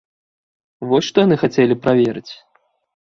Вось што яны хацелі праверыць.